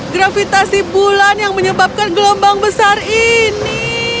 gravitasi bulan yang menyebabkan gelombang besar ini